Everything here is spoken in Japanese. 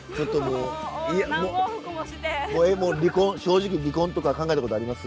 正直離婚とか考えたことあります？